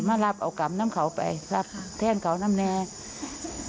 มารับเอากลับน้ำเขาไปรับแทนเขาน้ำแดง